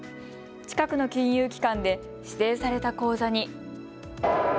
近くの金融機関で指定された口座に。